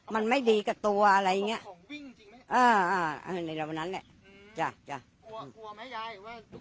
มันไม่ดีกับตัวอะไรอย่างนี้